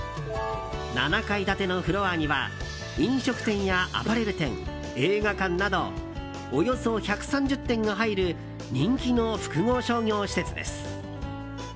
７階建てのフロアには飲食店やアパレル店、映画館などおよそ１３０店が入る人気の複合商業施設です。